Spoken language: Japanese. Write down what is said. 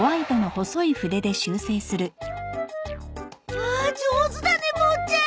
うわあ上手だねボーちゃん！